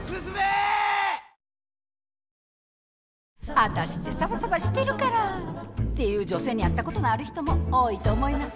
「ワタシってサバサバしてるから」って言う女性に会ったことのある人も多いと思います。